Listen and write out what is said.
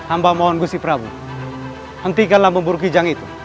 amba mohon goo si prabu hentikanlah memburu kijang itu